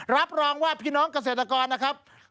รับรองว่าพี่น้องเกษตรกรนะครับ